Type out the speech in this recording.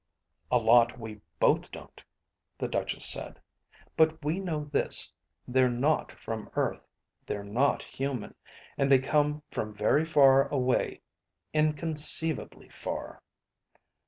"A lot we both don't," the Duchess said. "But we know this: they're not from Earth, they're not human, and they come from very far away. Inconceivably far."